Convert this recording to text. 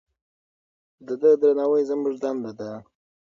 د ده درناوی زموږ دنده ده.